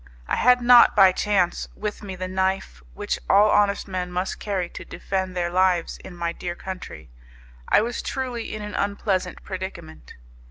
I had not, by chance, with me the knife which all honest men must carry to defend their lives in my dear country. I was truly in an unpleasant predicament.